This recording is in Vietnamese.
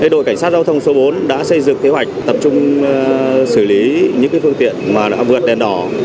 đội cảnh sát giao thông số bốn đã xây dựng kế hoạch tập trung xử lý những phương tiện đã vượt đèn đỏ